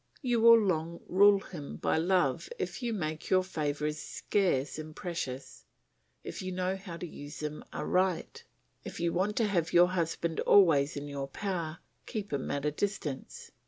You will long rule him by love if you make your favours scarce and precious, if you know how to use them aright. If you want to have your husband always in your power, keep him at a distance.